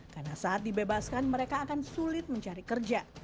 karena saat dibebaskan mereka akan sulit mencari kerja